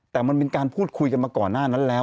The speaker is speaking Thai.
แต่มันเป็นการพูดคุยกันมาก่อนหน้านั้นแล้ว